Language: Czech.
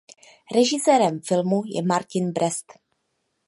Režisérem filmu je Martin Brest.